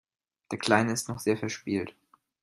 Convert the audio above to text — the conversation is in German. Der Kleine ist noch sehr verspielt.